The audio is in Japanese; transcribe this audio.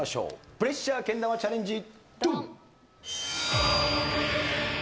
プレッシャーけん玉チャレンジドン！